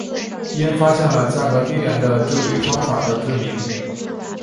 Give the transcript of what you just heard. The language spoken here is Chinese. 因发现了价格低廉的制铝方法而知名。